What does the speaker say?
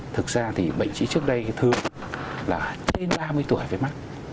thực ra thì bệnh sĩ trước đây thường là trên ba mươi tuổi với mắt